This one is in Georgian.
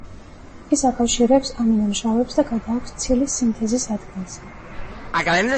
ის აკავშირებს ამინომჟავებს და გადააქვს ცილის სინთეზის ადგილზე.